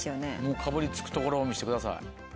かぶりつくところを見せてください。